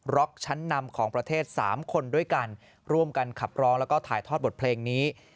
ชั้นนำของประเทศ๓คนด้วยกันร่วมกันขับร้องแล้วก็ถ่ายทอดบทเพลงนี้